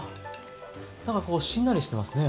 なんかこうしんなりしてますね。ね。